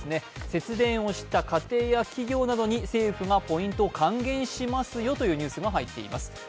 節電をした家庭や企業などに政府がポイントを還元しますというニュースが入っています。